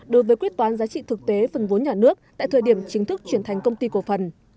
đối với quyết toán giá trị thực tế phần vốn nhà nước tại thời điểm chính thức chuyển thành công ty cổ phần